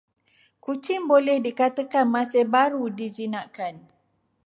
Kucing boleh dikatakan masih baru dijinakkan.